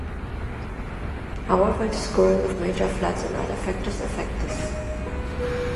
However, the scouring of major floods, and other factors, affect this.